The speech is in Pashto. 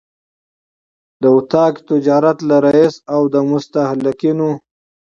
د اطاق تجارت له رئیس او د مستهلکینو